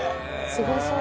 すごそう！